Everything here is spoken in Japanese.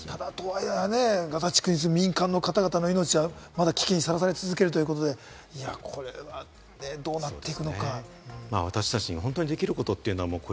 とはいえ、ガザ地区に住む民間人の方々、また命の危険にさらされるということでどうなっていくのか？